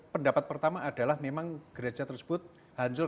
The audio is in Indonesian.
pendapat pertama adalah memang gereja tersebut hancur karena gerai